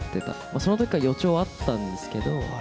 そのときから予兆はあったんですけど。